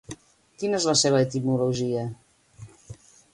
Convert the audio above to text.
Quina és la seva etimologia?